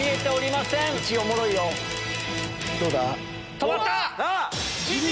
止まった。